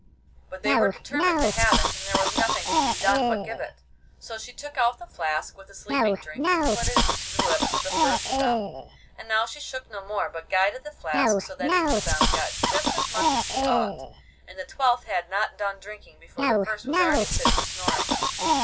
But they were determined to have it, and there was nothing to be done but give it; so she took out the flask with the sleeping drink and put it to the lips of the first of them; and now she shook no more, but guided the flask so that each of them got just as much as he ought, and the twelfth had not done drinking before the first was already sitting snoring.